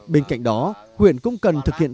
bên cạnh đó huyện cũng cần thực hiện